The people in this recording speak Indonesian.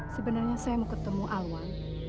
sebenarnya saya mau ketemu alwan